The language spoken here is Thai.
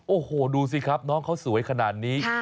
โอ้โหดูสิครับน้องเขาสวยขนาดนี้